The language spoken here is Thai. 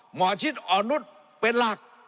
หมอจิตออนุทธิ์เป็นหลัก